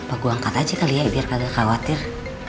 aku angkat aja kali ya biar nggak kagak khawatir